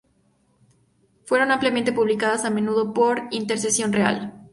Fueron ampliamente publicadas, a menudo por intercesión real.